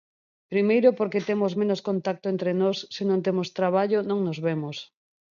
Primeiro, porque temos menos contacto entre nós, se non temos traballo, non nos vemos.